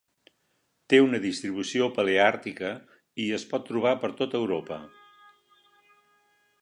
Té una distribució paleàrtica, i es pot trobar per tot Europa.